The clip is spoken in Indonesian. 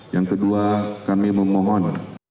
yang kedua kami memohon